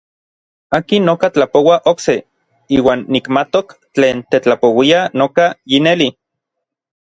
Akin noka tlapoua okse, iuan nikmatok tlen tetlapouia noka yineli.